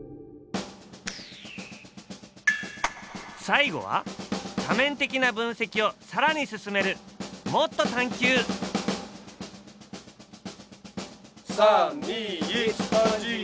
最後は多面的な分析をさらに進める３２１バンジー。